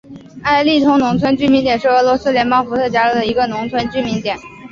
埃利通农村居民点是俄罗斯联邦伏尔加格勒州帕拉索夫卡区所属的一个农村居民点。